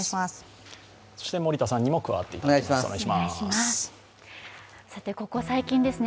森田さんにも加わっていただきます。